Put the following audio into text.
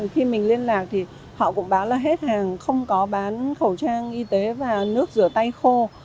khi mình liên lạc thì họ cũng báo là hết hàng không có bán khẩu trang y tế và nước rửa tay khô